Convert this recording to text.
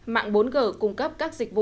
mạng bốn g cung cấp các dịch vụ